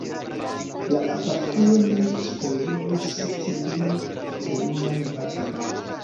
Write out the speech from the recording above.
La abatejo ne supervivis tiun teruran baton.